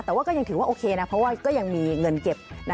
แต่ว่าก็ยังถือว่าโอเคนะเพราะว่าก็ยังมีเงินเก็บ